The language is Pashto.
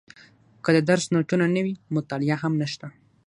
که د درس نوټونه نه وي مطالعه هم نشته.